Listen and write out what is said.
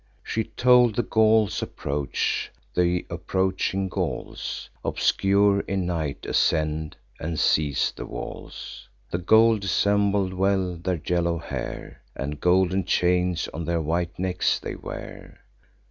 She told the Gauls' approach; th' approaching Gauls, Obscure in night, ascend, and seize the walls. The gold dissembled well their yellow hair, And golden chains on their white necks they wear.